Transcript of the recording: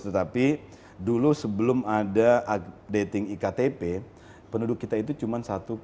tetapi dulu sebelum ada updating iktp penduduk kita itu cuma satu tujuh